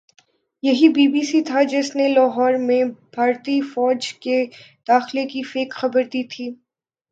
یہی بی بی سی تھا جس نے لاہور میں بھارتی فوج کے داخلے کی فیک خبر دی تھی